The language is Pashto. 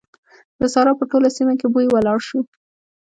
د سارا په ټوله سيمه کې بوی ولاړ شو.